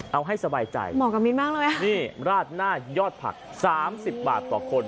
เอาให้สบายใจราดหน้ายอดผัก๓๐บาทต่อคน